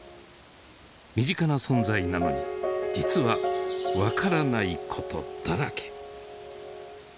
身近な存在なのに実は分からないことだらけ。